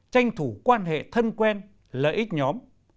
tranh thủ quan hệ thân quen lợi ích nhóm